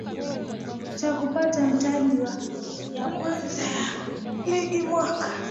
Cha kupata mataji ya kwanza ya Ligi mwaka